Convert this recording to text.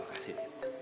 terima kasih nid